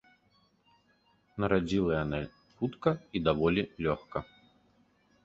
Нарадзіла яна хутка і даволі лёгка.